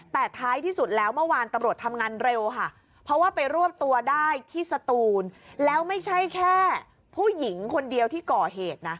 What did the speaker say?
แต่ท้ายที่สุดแล้วเมื่อวานตำรวจทำงานเร็วค่ะเพราะว่าไปรวบตัวได้ที่สตูนแล้วไม่ใช่แค่ผู้หญิงคนเดียวที่ก่อเหตุนะ